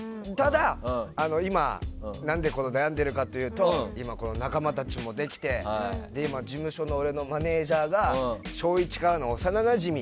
今、何でこんなに悩んでるかというと今、仲間たちもできて事務所の俺のマネジャーが小１からの幼なじみ。